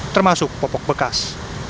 termasuk popok bekas